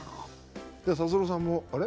達郎さんもあれ？